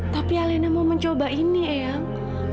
tapi alena mau mencoba ini eyang